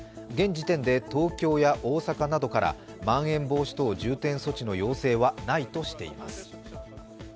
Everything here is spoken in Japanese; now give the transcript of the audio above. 現時点で東京や大阪などからまん延防止等重点措置の要請はないとしています。